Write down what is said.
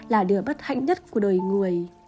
là điều bất hạnh nhất của đời người